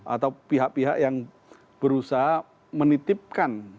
atau pihak pihak yang berusaha menitipkan